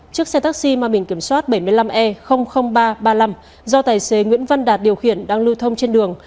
chiếc xe taxi mà mình kiểm soát bảy mươi năm e ba trăm ba mươi năm do tài xế nguyễn văn đạt điều khiển đang lưu thông trên đường